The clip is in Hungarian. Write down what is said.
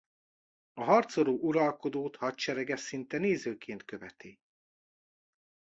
A harcoló uralkodót hadserege szinte nézőként követi.